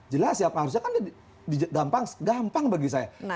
jelas ya harusnya kan gampang bagi saya